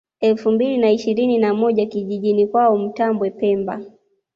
Elfu mbili na ishirini na moja kijijiini kwao Mtambwe pemba